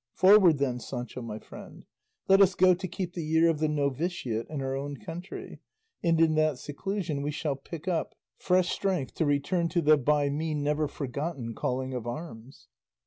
Forward then, Sancho my friend, let us go to keep the year of the novitiate in our own country, and in that seclusion we shall pick up fresh strength to return to the by me never forgotten calling of arms."